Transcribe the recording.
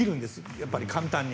やっぱり簡単に。